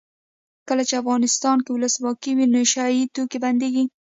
کله چې افغانستان کې ولسواکي وي نشه یي توکي بندیږي.